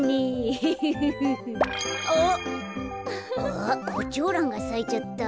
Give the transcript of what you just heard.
あコチョウランがさいちゃった。